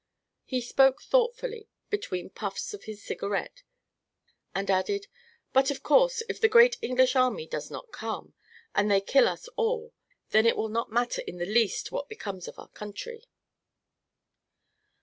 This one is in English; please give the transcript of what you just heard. He spoke thoughtfully, between puffs of his cigarette, and added: "But of course, if the great English army does not come, and they kill us all, then it will not matter in the least what becomes of our country."